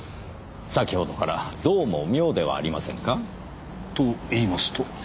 先ほどからどうも妙ではありませんか？と言いますと？